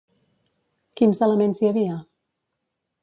Quins elements hi havia?